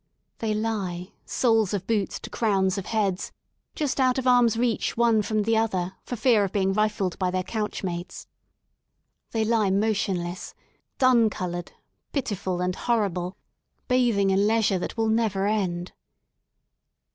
They He, soles of boots to crowns of heads, just out of arm's reach one from the other for fear of being rifled by their couch mates* They lie motionless, dun coloured, pitiful and horrible, 14' THE SOUL OF LONDON bathing in leisure that will never end.